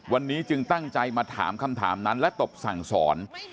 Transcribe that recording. วันนี้จึงตั้งใจมาถามคำถามนั้นและตบสั่งสอน